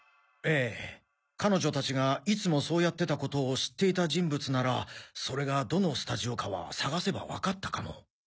ええ彼女たちがいつもそうやってたことを知っていた人物ならそれがどのスタジオかは探せばわかったかも。